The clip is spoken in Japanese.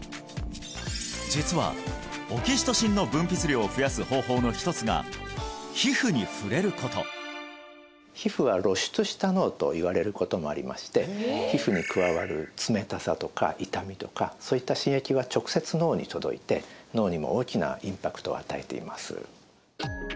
実はオキシトシンの分泌量を増やす方法の一つが皮膚に触れること皮膚は露出した脳といわれることもありまして皮膚に加わる冷たさとか痛みとかそういった刺激は直接脳に届いて脳にも大きなインパクトを与えています